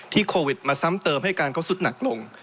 โควิดมาซ้ำเติมให้การเขาสุดหนักลง